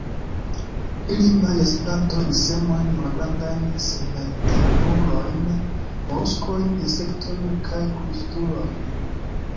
Ili manĝas plantojn, semojn, malgrandajn senvertebrulojn, moluskojn, insektojn kaj krustulojn.